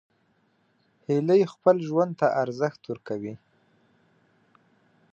هیلۍ خپل ژوند ته ارزښت ورکوي